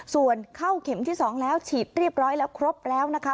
ส่วนเข้าเข็มที่๒แล้วฉีดเรียบร้อยแล้วครบแล้วนะคะ